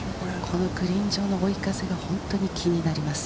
グリーン上の追い風が本当に気になります。